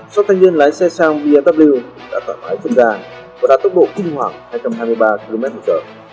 số thanh niên lái xe sang vnw đã thoải mái chất gian và đã tốc độ kinh hoảng hai trăm hai mươi ba kmh